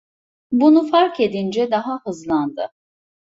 Bunu fark edince daha hızlandı.